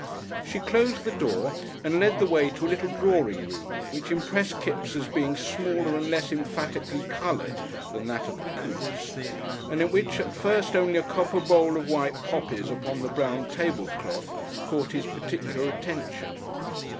She closed the door and led the way to a little drawing room, which impressed Kipps as being smaller and less emphatically coloured than that of the Cootes, and in which at first only a copper bowl of white poppies upon the brown tablecloth caught his particular attention.